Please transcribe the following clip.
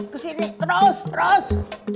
ke sini terus terus